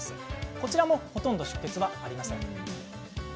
こちらもほとんど出血はしません。